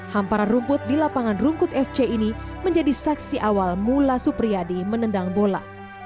hamparan rumput di lapangan rungkut fc ini menjadi saksi awal mula supriyadi menendang bola